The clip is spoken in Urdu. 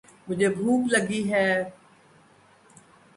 مجھے بھوک لگی ہے۔